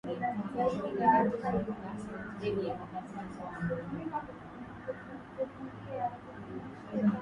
Wakati kikitumia sensa ya aina fulani, ikiwa na gharama ya dola mia moja na hamsini za kimerekani kwa ajili ya kukagua ubora wa hewa kwenye jiji la Kampala.